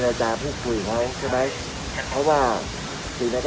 นี้มันจะมีมากระดานเฉพาะสุ่มใช่ไหมคะ